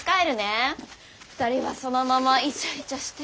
２人はそのままイチャイチャしてて。